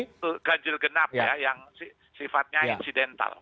itu ganjil genap ya yang sifatnya insidental